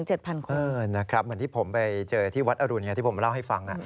เหมือนที่ผมไปเจอที่วัดอรุณที่ผมเล่าให้ฟัง